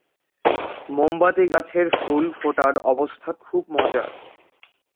মোমবাতি গাছের ফুল ফোটার অবস্থা খুব মজার।